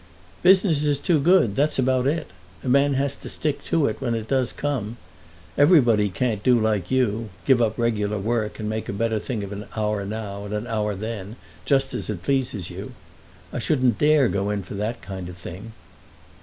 "Business is too good. That's about it. A man has to stick to it when it does come. Everybody can't do like you; give up regular work, and make a better thing of an hour now and an hour then, just as it pleases you. I shouldn't dare go in for that kind of thing."